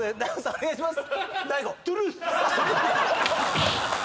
お願いします。